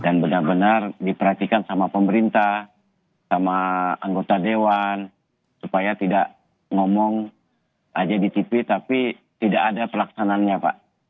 dan benar benar diperhatikan sama pemerintah sama anggota dewan supaya tidak ngomong aja di tv tapi tidak ada pelaksananya pak